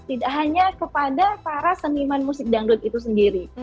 tidak hanya kepada para seniman musik dangdut itu sendiri